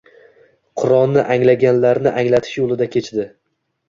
Qur’onni anglaganlarini anglatish yo‘lida kechdi.